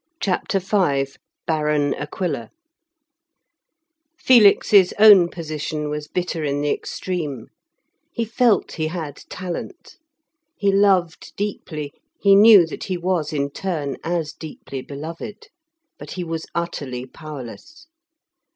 CHAPTER V BARON AQUILA Felix's own position was bitter in the extreme. He felt he had talent. He loved deeply, he knew that he was in turn as deeply beloved; but he was utterly powerless.